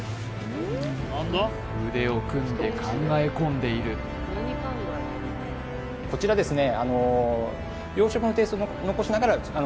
腕を組んで考え込んでいるこちらですね